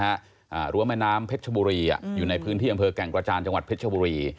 หรือว่าแม่น้ำเพชรชบุรีอ่ะอยู่ในพื้นที่อำเภอแก่งกระจานจังหวัดเพชรชบุรี